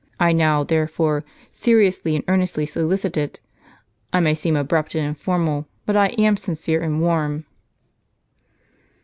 I now, therefore, seriously and earnestly solicit it. I may seem abrupt and informal, but I am sincere and warm."